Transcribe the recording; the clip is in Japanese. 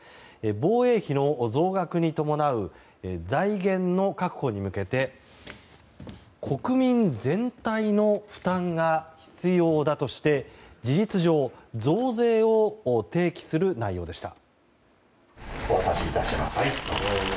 防衛費の増額に伴う財源の確保に向けて国民全体の負担が必要だとして事実上、増税を提起する内容でした。